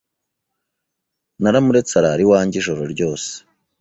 Namuretse arara iwanjye ijoro ryose.